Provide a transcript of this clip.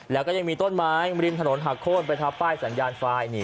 แล้วก็ยังมีต้นไม้ริมถนนหักโค้นไปทับป้ายสัญญาณไฟ